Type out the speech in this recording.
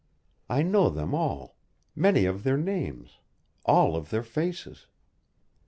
I know them all; many of their names, all of their faces.